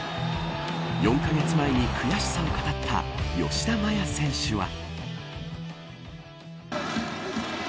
４カ月前に悔しさを語った吉田麻也選手は。